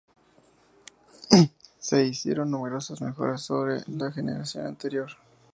Se hicieron numerosas mejoras sobre la generación anterior.